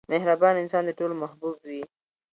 • مهربان انسان د ټولو محبوب وي.